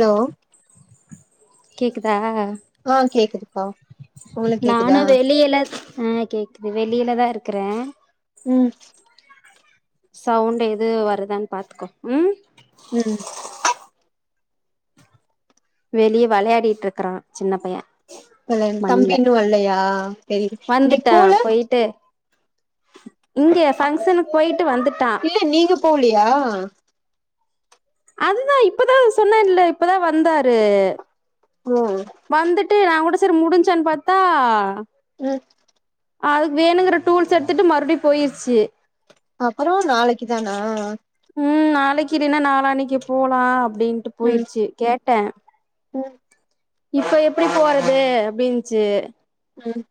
low கேக்குதா ஆ கேக்குதுபா நானு வெளியில ஆ கேக்குது வெளில தா இருக்கறே ம் சவுண்ட எது வருதானு பாத்துக்கோ ம் ம் வெளிய வளையாடிட்ருக்றா சின்ன பைய பழையன் தம்பி மண்ல இன்னு வல்லயா வந்துட்டா போயிட்டு இங்க ஃபங்க்ஷனுக்கு போயிட்டு வந்துட்டா இல்ல நீங்க போலியா அதுதா இப்பதா சொன்னன்ல இப்பதா வந்தாரு ஒ வந்துட்டு நா கூட சரி முடிஞ்சான்னு பாத்தா ம் அதுக்கு வேணுங்கிற டூல்ஸ் எடுத்துட்டு மறுபடியு போயிருச்சு அப்பற நாளைக்கி தானா ம் நாளைக்கி இல்லனா நாளானைக்கி போலா அப்டின்டு ம் போயிருச்சி கேட்ட ம் இப்ப எப்டி போறது அப்டின்ச்சு ம்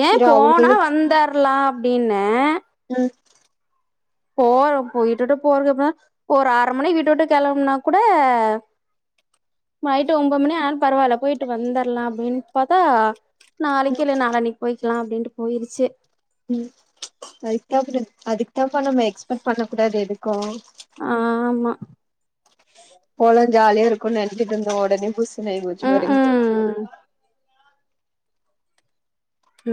ஏ சரி போனா அவங்களுக்கு வந்தர்லா அப்டின்ன ம் போறோ போ வீட்ட விட்டு போறதுக்கு எப்பன்னா ஒரு ஆர்ர மணிக் வீட்ட விட்டு கெளம்னா கூட நைட்டு ஒம்பது மணி ஆனாலு பரவால்ல போயிட்டு வந்தர்லா அப்டின் பாத்தா நாளைக்கி ம் இல்ல நாளானைக்கி போய்கிலா அப்டின்ட்டு போயிரிச்சி ம் அதுக்கு தா அதுக்கு தாப்ப நம்ம எக்ஸ்பெக்ட் பண்ண கூடாது எதுக்கு ஆமா போலா ஜாலியா இருக்குனு நெனச்சிட்டு இருந்த ஒடனே புஸுனு ஆயி போச்சி ம் பாரு ம்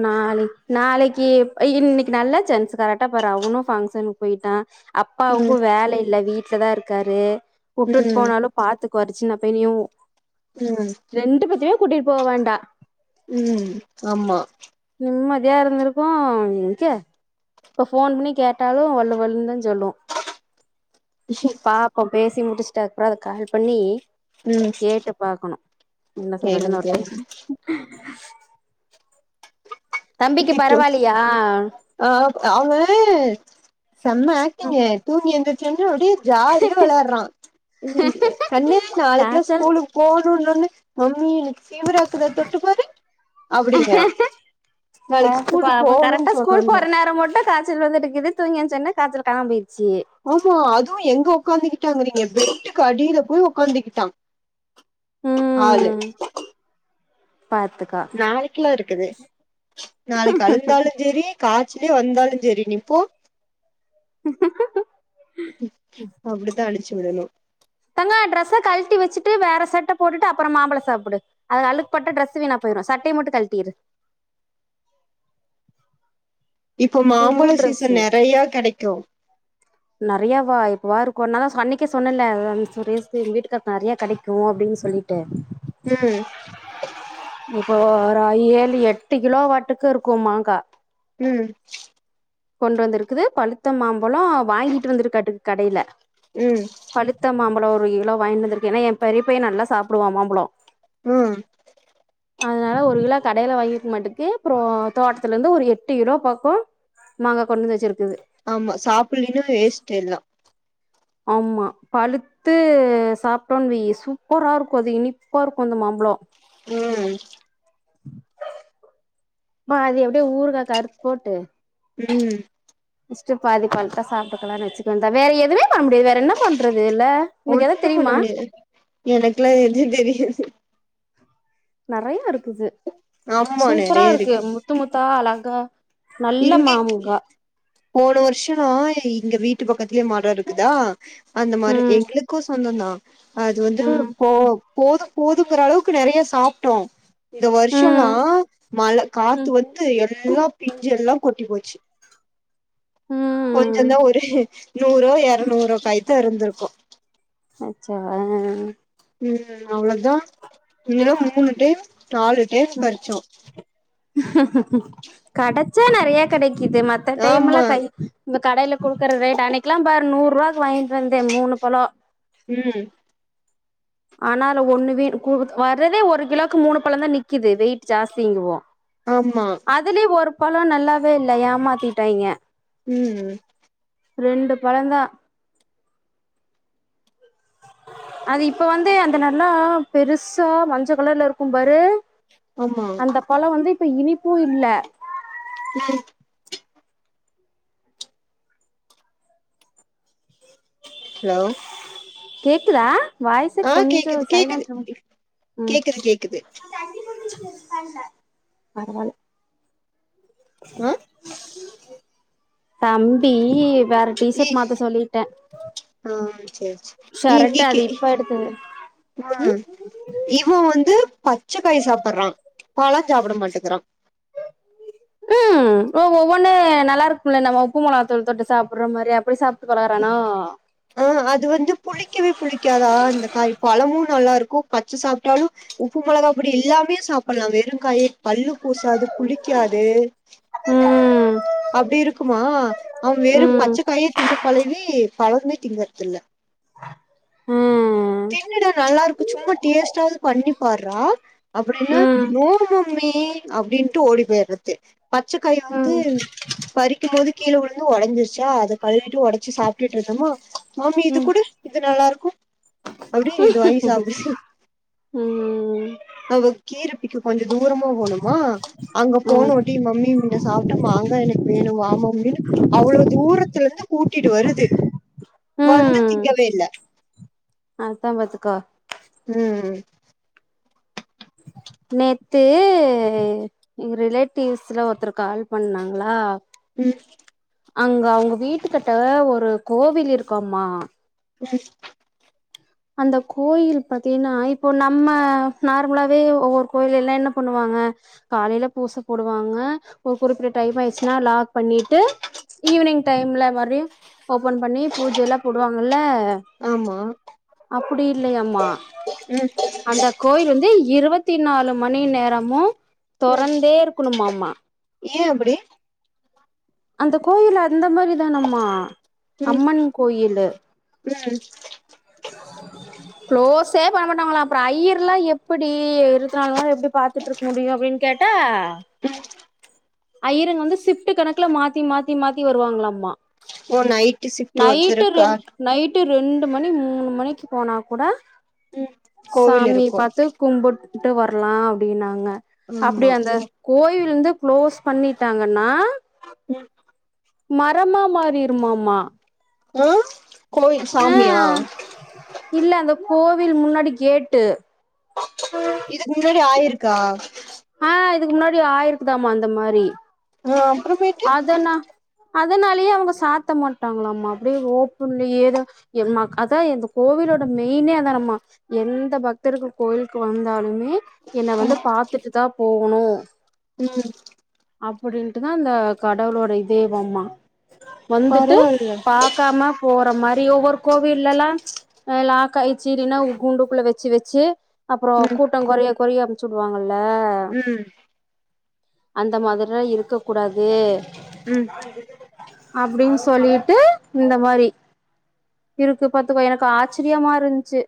நாளை நாளைக்கி இன்னைக்கி நல்லா சான்ஸ் கரெக்டா பாரு அவனு பங்ஷனுக்கு போயிட்டா ம் அப்பாவுக்கு வேல இல்ல வீட்ல தா இருக்காரு வுட்டுட் ம் போனாலு பாத்துக்குவாரு சின்ன பையனையு ம் ரெண்டு பேத்தமே கூட்டிட் போ வேண்டா ம் ஆமா நம்மதியா இருந்திருக்கு எங்க இப்ப போன் பண்ணி கேட்டாலு வல்லு வல்லு தா சொல்லு சரி பாப்போ பேசி முடிச்சுட்டு அப்றோ அத கால் பண்ணி ம் கேட்டு பாக்கணு என்ன கேளுங்க சொல்றதுன்னு ஒரு டைம் கேளுங்க தம்பிக்கு திட்டு பரவால்லியா ஆ அவுங்க செம்ம ஆக்டிங்கு தூங்கி எந்திரு சன்னுடி ஜாலியா விளையாடுறா கண்ணு நாளைக்குல்லா காய்ச்சல் ஸ்கூலு போணுனோனே மம்மி எனக்கு ஃபீவரா இக்குதா தொட்டு பாரு அப்டிங்றா நேத்து பா அப்ப கரெக்டா ஸ்கூல் போற சொன்னோனே நேர மட்டு கா ய்ச்சல் வந்துட்டு இருக்குது தூங்கி எந்திச்ச உடனே காய்சல் காணாம போயிருச்சு ஆமா அதுவு எங்க உக்காந்துக்கிட்டாங்கிறீங்க பெட்டுக்கு அடியில போய் உக்காந்துக்கிட்டா ஆளு ம் பாத்துக்கோ நாளைக்குல்லா இருக்குது நாளைக்கு அழுந்தாலு சரி காய்ச்சலே வந்தாலு சரி நீ போ ஹம் ஹம் ஹம் ஹம் அப்டி தா அனுப்ச்சு விடனு தங்கோ ட்ரஸ கழட்டி வச்சிட்டு வேற சட்டை போட்டுட்டு அப்புறோ மாம்பழோ சாப்பிடு அது அழுக்குப்பட்டா டிரெஸ்ஸு வீணா போயிரு சட்டைய மட்டு கழட்டிரு இப்போ புது மாம்பழோ சீசன் ட்ரெஸ்ஸு நெறையா கெடைக்கு நெறயாவா எப்பவா இருக்கு நா தா அன்னைக்கே சொன்னேல்ல வ சுரேஷ்க்கு எ வீட்டுக்கார் நெறய கெடைக்கு அப்டின் சொல்லி ட்டே ம் இப்போ ஒரு ஏழு எட்டு கிலோ வாட்டுக்கு இருக்கு மாங்கா ம் கொண்டு வந்து இருக்குது பழுத்த மாம்பழோ வாங்கிட்டு வந்திருக்காட்டுக்கு கடைல ம் பழுத்த மாம்பழோ ஒரு கிலோ வாங்கிட்டு வந்து இருக்கு ஏனா எ பெரிய பைய நல்லா சாப்டுவா மாம்பழோ ம் அதனால ஒரு கிலோ கடையில வாங்கிருக்கு மாட்டுக்கு அப்றோ தோட்டத்துல இருந்து ஒரு எட்டு கிலோ பக்கோ மாங்க கொண்டு வந்து வச்சிருக்குது ஆமா சாப்பிடலினா வேஸ்ட் எல்லா ஆமா பழு த்து சாப்ட்டோன்னு வையி சூப்பரா இருக்கு அது இனிப்பா இருக்கு அந்த மாம்பழோ ம் மா அது எப்டியோ ஊறுகாக்கு அறுத்து போட்டு ம் ஸ்ட்டு பாதி பழத்த சாப்ட்டுக்கலானு வச்சக்க வேண்ட்தா வேற எதுமே பண்ண முடியாது வேற என்ன பண்றது இல்ல உனக்கு எதா ஒன்னு பண்ண தெரியுமா முடியாது எனக்லா எது தெரியாது நெறயா இருக்குது ஆமா சூப்பரா நெறைய இருக்கு முத்து முத்தா அழகா நல்ல இங்கி மாமுங்கா போன வருஷோ இங்க வீட்டு பக்கத்துலே மரோ இருக்குதா அந்த மரோ ம் எங்ளுக்கு சொந்த்தா அது வந்து ம் போ போதும் போதுங்கிற அளவுக்கு நிறைய சாப்பிட்டோம் இந்த ம் வருஷம்லாம் மழ காத்து ம் வந்து எல்லா பிஞ்ச எல்லாம் கொட்டி போச்சு கொஞ்ச ம் தான் ஒரு நூறோ எரநூறோ காய் தான் இருந்திருக்கும் அச்சச்சோ ஆ ம் அவ்ளொதான் இன்னா மூணு டைம் நாலு டைம் பறிச்சோம் கடச்சா நெறைய கிடைக்குது மத்த ஆமா டைம்ல கை இந்த கடையில குடுக்குற ரேட் அன்னைக்கலாம் பாரு நூறு ரூவாக்கு வாங்கிட்டு வந்தேன் மூணு பழம் ம் ஆனால ஒண்ணு வேன் வர்றதே ஒரு கிலோக்கு மூணு பழம்தான் நிக்குது வெயிட் ஜாஸ்தி இங்குவோம் ஆமா அதுலயும் ஒரு பழம் நல்லாவே இல்ல ஏமாத்திட்டாய்ங்க ம் ரெண்டு பழந்தான் அது இப்ப வந்து அந்த நல்லா பெருசா மஞ்ச கலர்ல இருக்கும் பாரு ஆமா அந்த பழம் வந்து இப்ப இனிப்பும் இல்ல நான் ஹலோ கேக்குதா வாய்ஸு ஆ கொஞ்சம் கேக்குது கேக்குது சைலன்ட் ம் கேக்குது கேக்குது பரவாயில்ல க்ஹூம் ஆ [unintelligible] தம்பி வேற இ டீஷர்ட் மாத்த சொல்லிட்டேன் ஆ சேரி சேரி ஷர்ட்டு அது இப்ப எடுத்தது ம் [unintelligible] இவன் வந்து பச்சக்காய் சாப்புடுறான் பழம் சாப்பிட மாட்டேக்குறான் ம் ஓ ஒவ்வொன்னு நல்லாருக்கும்ல நம்ம உப்பு மொளாத்தூள் தொட்டு சாப்புடற மாறி அப்படி சாப் பழகுறானோ ஆ அது வந்து புளிக்கவே புளிக்காதா இந்த காய் பழமும் நல்லா இருக்கும் பச்ச சாப்பிட்டாலும் உப்பு மொளகா பொடி இல்லாமயே சாப்புடலாம் வெறுங்காயே பல்லு கூசாது புளிக்காது ம் அப்படி இருக்குமா அவன் வெறும் ம் பச்சைக்காயே தின்னும் பழவி பழமே திங்கறது இல்ல ம் திண்ணுடா நல்லா இருக்கும் சும்மா டேஸ்ட்டாவது பண்ணி பாருறா அப்படின்னா ம் நோ மா ம்மி அப்படின்ட்டு ஓடி போயிடுறது பச்ச காய வந்து ம் பறிக்கும் போது கீழே விழுந்து உடைஞ்சிருச்சா அத கழுவிட்டு உடைச்சு சாப்பிட்டுட்டு இருந்தோமா மம்மி இது ம் கூடு இது நல்லா இருக்கும் அப்படியே இது வாங்கி சாப்புட்டு ம் அவ கீரப்பிக்க கொஞ்சம் தூரமா போணுமா அங்க ம் போனோட்டி மம்மி மின்ன சாப்பிட்ட மாங்க அதான் எனக்கு வேணும் வா மம்மி அவ்ளோ தூரத்துல இருந்து கூட்டிட்டு வருது வந்து ம் திங்கவே இல்ல அதா பாத்துக்கோ ம் நேத்து எங்க ரிலேட்டிவ்ஸ்ல ஒருத்தரு கால் பண்ணுனாங்களா ம் அங்க அவங்க வீட்டுக்கிட்ட ஒரு கோவில் இருக்காமா [inaudible] அந்த கோயில் பாத்தின்னா இப்போ நம்ம நார்மலாவே ஒவ்வொரு கோயில எல்லா என்ன பண்ணுவாங்க காலையில பூச போடுவாங்க ஒரு குறிப்ட்ட டைம் ஆயிச்சுன்னா லாக் பண்ணிட்டு ஈவினிங் டைம்ல மாரியும் ஓப்பன் பண்ணி பூஜையெல்லா போடுவாங்கல்ல ஆம்மா அப்புடி இல்லையம்மா ம் அந்த கோயில் வந்து இருவத்தி நாலு மணி நேரமும் ம் தெறந்தே இருக்கணும்மாம்மா ஏ அப்டி அந்த கோயில் அந்த மாரி தானம்மா அம்மன் கோயிலு பிடிச்சிரு க்ளோஸே பண்ண மாட்டாங்களா அப்பற ஐயர்ல்லா எப்புடி இருத்துநாலு மணிநேரமு எப்டி பாத்துட்ருக் முடியு அப்டின் கேட்டா ஐயருங்க வந்து சிஃப்ட் கணக்குல மாத்தி மாத்தி மாத்தி வருவாங்களாமா ஓ நைட்டு சிஃப்ட் நைட்டு ஒருத்தருக்கா ரெண் நைட்டு ரெண்டு மணி மூனு மணிக் போனா கூட ம் கோவில் சாமி இருக்கு பாத்து கும்புட் டு வர்லா அப்டின்னாங்க அப்டி ஆமா அந்த கோயில் ந்து க்ளோஸ் பண்ணிட்டாங்கன்னா மரமா மாறிரும்மாம்மா அ கோயில் சாமியா இல்ல அந்த கோவில் முன்னாடி கேட்டு இதுக் முன்னாடி ஆயிருக்கா அ இதுக் முன்னாடி ஆயிருக்குதாம அந்த மாரி அ அப்ரமேட் அதனா அதனாலயே அவங்க சாத்த மாட்டாங்களாமா அப்டே ஓப்புன்லயேதா எம்மாக் அதா ந்த கோவிலோட மெய்நே அதானாமா எந்த பக்தர்கள் கோயில்க்கு வந்தாலுமே என்ன வந்து பாத்துட்டு தா போகுணு ம் அப்புடின்ட்டுதா அந்த கடவுளோட இதேவம்மா வந்துட்டு பரவால்ல பாக்காம போற மாரி ஒவ்வொரு கோவில்லல்லா அ லாக்காயிச்சி ரின்னா உ குண்டுக்குள்ள வெச்சு வெச்சு அப்பறோ ம் கூட்ட கொறைய கொறைய அம்ச்சு உடுவாங்கல்ல ம் அந்த மாதிர்ஆ இருக்க கூடாது ம் அப்டின் சொல்லிட்டு இந்த மாரி இருக்கு பாத்துக்கோ எனக்கு ஆச்சரியமா இருந்ச்சு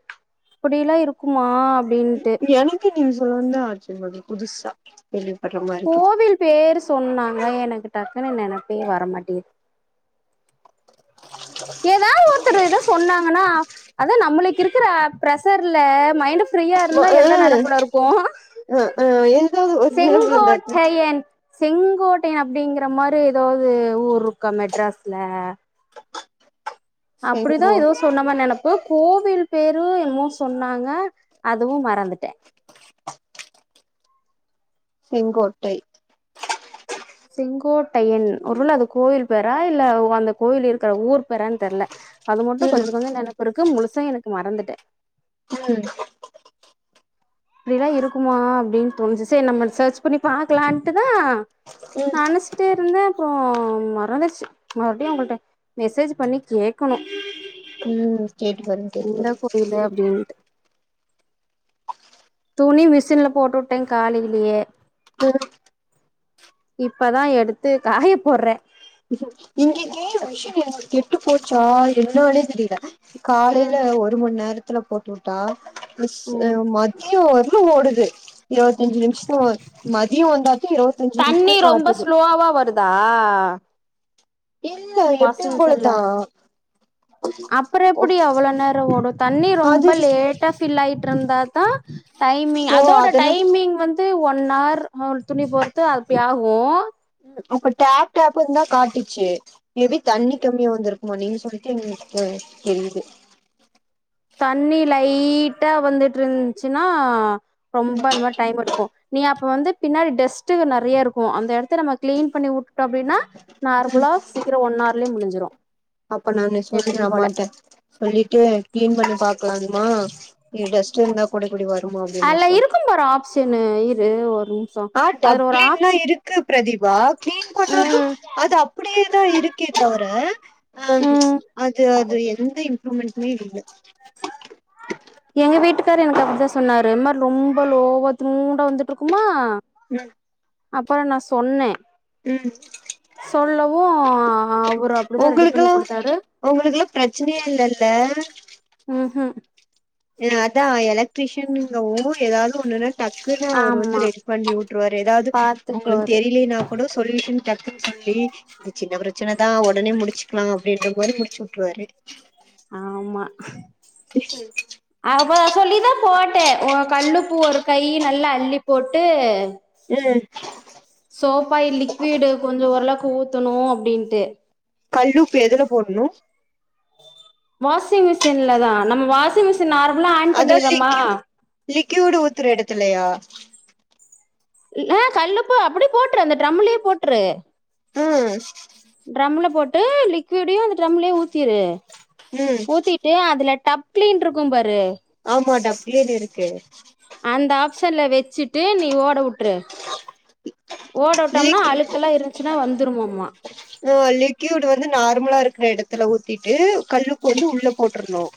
இப்புடிலா இருக்குமா அப்டின்ட்டு எனக்கு நீ சொல்ல வந்த ஆச்சரியமா புதுசா கேள்விப்படுற மாரிருக்குது கோவில் பேரு சொன்னாங்க எனக்கு டக்குன்னு நெனப்பே வரமாட்டேங்குது எதாவது ஒருத்தர் எதா சொன்னாங்கன்னா அதா நம்மளுக்கு இருக்குற பிரசர்ல மைன்டு ஃப் ப்ரியா ம இருந்தா எல்லா ஆ நெனப்புல இருக்கு ஆ ஆ ஏதாவது ஒரு நினைவுல இருந்தாச்சு செங்கோட்டையன் செங்கோட்டையன் அப்டிங்கற மாரி ஏதாவொது ஊர் ருக்கா மெட்ராஸ்ல அப்புடிதா செங்கோ எதோஸ் சொன்ன மார் நெனப்பு கோவில் பேரு என்னமோ சொன்னாங்க அதுவு மறந்துட்டே செங்கோட்டை செங்கோட்டையன் ஒரு வேள அது கோயில் பேரா இல்ல அந்த கோயில் இருக்கிற ஊர் பேரான் தெர்ல அது மட்டும் ம் கொஞ்ச கொஞ்சம் நெனப்பு இருக்கு முழுசா எனக்கு மறந்துட்டெ ம் அப்டிலா இருக்குமா அப்டின்னு தோண்ணுச்சு செரி நம்ம சர்ச் பண்ணி பாக்கலாம்ன்டுதா ம் நானு பாத்துட்டே இருந்தே அப்பற மறந்துச்சு மறுபடியு அவங்களிட்ட மெசேஜ் பண்ணி கேக்கணு ம் கேட்டு பாருங்க கேட்டு பாருங்க தெரியல அப்டின்ட்டு துணி மிஷின்ல போட்டு வுட்டே காலையிலயே [unintelligible] இப்பதா எடுத்து காய போட்றெ இங்க கேக் மிஷன் கெட்டு போச்சா என்னான்னே தெரியல காலேயில ம் ஒரு மண் நேரத்துல போட்டு வுட்டா மிஷ் அ ம் மத்திய வரைக் கு ஓடுது இருவத்தஞ்சு நிமிஷொ மதிய வந்தாதா இருவத் தண்ணி ரொம்ப ஸ்லோவா வருதா இல்ல எப்பயு போலத்தா அப்புற எப்டி அவ்வளோ நேர ஓடும் தண்ணி ரொம்ப அது லேட்டா ஃபில் ஆயிட்டு இருந்தாதா டைமிங் ஓ அதோட அதெல்லா டைமிங் வந்து ஒன் ஹர் துணி பொறுத்து அப்டி ஆகும் அப்ப டேப் டேப் இருந்தா காட்டுச்சு மே பி தண்ணி கம்மியா வந்திருக்குமா நீங்க சொல்லித்தா எங்களுக்கு தெரியுது தண்ணி லைட்டா வந்துட்டு இருந்துச்சுன்னா ரொம்ப அந்த மாரி டைம் எடுக் கு நீ அப்ப வந்து பின்னாடி டஸ்ட் நறைய இருக்கும் அந்த எடத்த நம்ம கிளீன் பண்ணி வுட்டுட்டோ அப்டின்னா ம் நார்மலா சீக்கிர ஒன் ஆர்லயே முடிஞ்சிரு அப்ப நானு சொல்ற எப்பயு போல அம்மாட்ட சொல்லிட்டு கிளீன் பண்ணி பாக்கலாம்மா டஸ்ட் இருந்தா கூட இப்டி வருமா அப்டின்னு நா சொல்றே செரி ந இரு ஒரு நிமிஷ ஆ டப் கிளீன்ல்லா இருக் கு பிரதீபா கிளீன் பண்ணாலு ம் அது அப்டியேதா இருக்கே தவர ஆ ம் அது அது எந்த இம்ப்ரூமெண்ட்மே இல்ல எங்க வீட்டுக்காரர் எனக்கு அப்டித்தா சொன்னாரு இந்த மாரி ரொம்ப லோவா இதூண்டா வந்து இருக்குமா ம் அப்புற நா சொன்னே ம் சொல்லவு அவரு அப்டிதா ரெடி பண்ணி உங்களுக்குல்லா கொடுத்தாரு உங்களுக்குல்லா பிரச்சனையே இல்லல்ல ம் ஹூம் அதா எலக்ட்ரிஷியன்ங்க ஊர் எதாவது ஒன்னு டக்குன்னு அவர் வந்து ஆமா ரெடி பண்ணி விட்ருவாரு எதாவது உங்களுக்கு பாத்துக்குவாரு தெரியலனா கூட சொல்லி [unintelligible] டக்குன்னு சொல்லி சின்ன பிரச்சனைதா ஒடனே முடிச்சுக்கலா அப்டின்ற போது முடிச்சு விட்ருவாரு ஆமா அவ சொல்லித்தா போட்டே ஒ கல்லுஉப்பு ஒரு கையி நல்லா அள்ளி போட்டு ம் சோப்பு ஆயில் லிக்விடு கொஞ்ச ஓரளவுக்கு ஊத்தணு அப்டின்ட்டு கல்லூப்பு எதுல போடணு வாஷிங் மிஷின்ல தா நம்ம வாஷிங் மிஷின் நார்மலா ஆன் அதா பண்ணிறோமா லிக்குட் லிக்யூடு ஊத்துற எடத்துலையா ஆ கல்லுப்ப அப்படி போட்டுரு அந்த டிரம்லயே போட்ரு ம் ட்ரம்ல போட்டு லிக்விடயும் அந்த ட்ரம்லயே ஊத்திரு ம் ஊத்தி டேய் அதுல டப் கிளீன் இருக்கும் பாரு ஆமா டப் க்ளீன் இருக்கு அந்த ஆப்சன்ல வச்சிட்டு நீ ஓட வுட்ரு ஓடட்டோம்னா அழுக்கெல்லாம் இருந்ச்சுன்னா வந்துருமோம்மா ஓ லிக்கியூடு வந்து நார்மலா இருக்கற எடத்துல ஊத்திட்டு கல்லுப்பு வந்து உள்ள போட்றனும்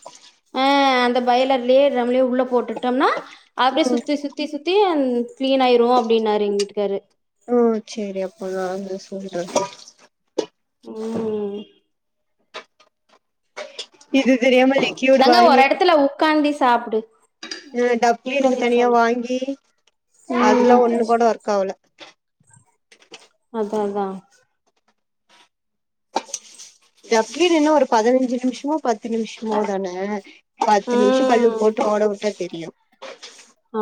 ஆ அந்த பயலர்லயே ட்ரம்யோ உள்ள போட்டுட்டோம்னா அப்டி ம் சுத்தி சுத்தி சுத்தி அம் கிளீன் ஆயிரும் அப்டின்னாரு எங்க வீட்டுக்காரு ம் சேரி அப்போ நா வந்து சொல்றேன் ம் இது தெரியா தங்க ஒரு எடத்துல உக்காந்தி சாப்புடு அ டப்க்ளீனுக்கு தனியா வாங்கி அதல்லாம் ஒண்ணு கூட ஒர்க் ஆகல அத அதான் டக் கிளீன் என்னஒரு பதினஞ்சு நிம்ஷோ பத்து நிமிஷமோ தான பத்து நிமிஷோ கல்லுப் ம் போட்டு ஓட வுட்டா தெரியும்